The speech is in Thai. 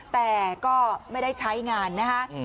แต่ก็ไม่ได้ใช้งานนะคะ